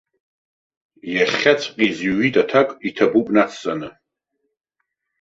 Иахьаҵәҟьа изызҩит аҭак, иҭабуп нацҵаны.